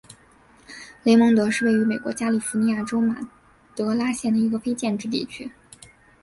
雷蒙德是位于美国加利福尼亚州马德拉县的一个非建制地区。